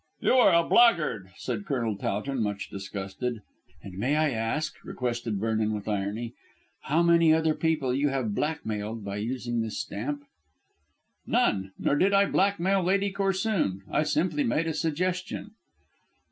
"You are a blackguard," said Colonel Towton, much disgusted. "And may I ask," requested Vernon with irony, "how many other people you have blackmailed by using this stamp?" "None; nor did I blackmail Lady Corsoon. I simply made a suggestion."